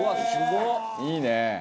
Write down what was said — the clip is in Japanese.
「いいね！」